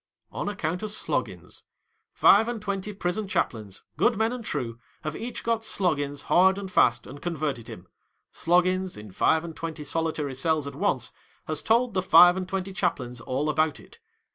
On account of Sloggins. Five and twenty prison chaplains, good men and true, have each got Sloggins hard and fast, and converted him. Sloggins, in five and twenty solitary cells at once, has told the five and twenty chaplains all about it.